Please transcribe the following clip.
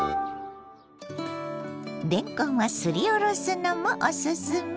れんこんはすりおろすのもおすすめ。